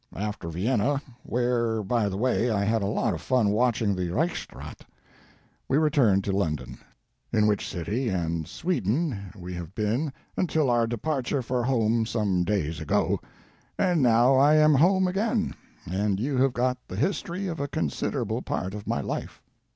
After Vienna, where, by the way, I had a lot of fun watching the Reichsrath, we returned to London, in which city and Sweden we have been until our departure for home some days ago, and now I am home again, and you have got the history of a considerable part of my life."